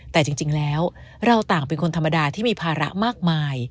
แต่จริงแล้วเราต่างเป็นคนธรรมดาที่มีภาระมากมาย